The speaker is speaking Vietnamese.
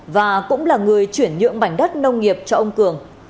và cũng là người chuyển nhượng mảnh đất nông nghiệp cho ông cường